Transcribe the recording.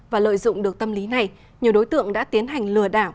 và lợi dụng được tâm lý này nhiều đối tượng đã tiến hành lừa đảo